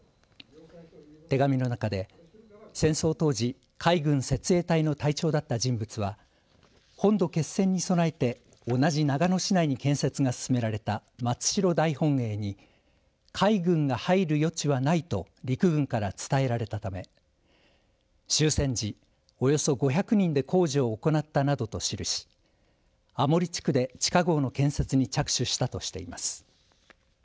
手紙の中で戦争当時、海軍設営隊の隊長だった人物は本土決戦に備えて同じ長野市内に建設が進められた松代大本営に海軍が入る余地はないと陸軍から伝えられたため終戦時、およそ５００人が工事を行ったなどと記し安茂里地区で地下ごうの建設に着手したとしています。